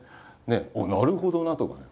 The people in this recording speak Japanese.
「おっなるほどな」とかね